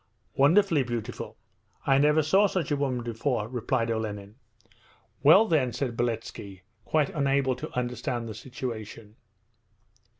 'Wonderfully beautiful! I never saw such a woman before,' replied Olenin. 'Well then?' said Beletski, quite unable to understand the situation.